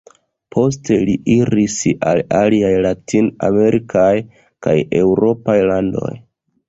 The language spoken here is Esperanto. Poste, li iris al aliaj Latin-amerikaj kaj Eŭropaj landoj.